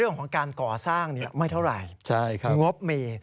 เรื่องของการก่อสร้างไม่เท่าไหร่งบมี